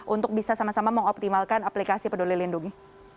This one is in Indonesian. untuk bisa sama sama mengoptimalkan aplikasi peduli lindungi